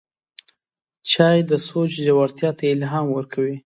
چای د سوچ ژورتیا ته الهام ورکوي